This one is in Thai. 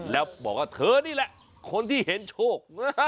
แล้วบอกว่าเธอนี่แหละคนที่เห็นโชค